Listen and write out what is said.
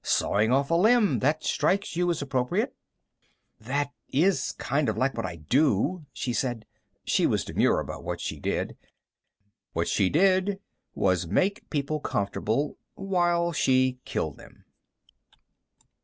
Sawing off a limb that strikes you as appropriate?" "That is kind of like what I do," she said. She was demure about what she did. What she did was make people comfortable while she killed them.